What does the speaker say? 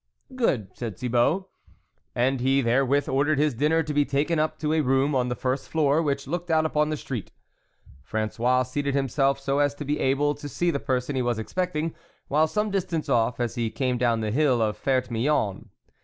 " Good," said Thibault ; and he there with ordered his dinner to be taken up to a room on the first floor, which looked out upon the street. Frangois seated himself so as to be able to see the person he was expecting, while some distance off, as he came down the hill of Ferte Milon.